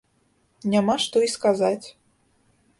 Няма што і сказаць.